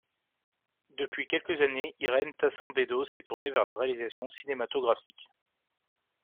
Depuis quelques années, Irène Tassembédo s’est tournée vers la réalisation cinématographique.